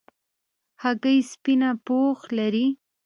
هګۍ سپینه پوښ لري.